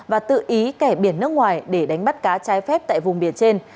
và tự ý kẻ biển nước ngoài để đánh bắt cá trái phép tại vùng biển trên